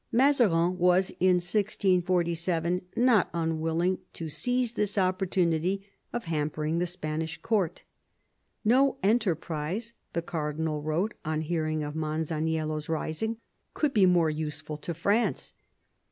Mazarin was in 1647 not unwilling to seize this opportunity of hampering the Spanish court. "No enterprise," the cardinal wrote, on hearing of Masaniello's rising, "could be more useful to France."